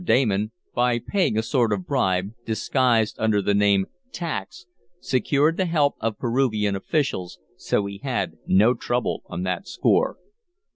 Damon, by paying a sort of bribe, disguised under the name "tax," secured the help of Peruvian officials so he had no trouble on that score.